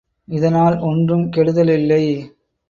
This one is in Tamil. இதனால் ஒன்றும் கெடுதலில்லை.